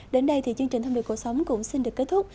đến đây thì chương trình thông điệp cuộc sống cũng xin được kết thúc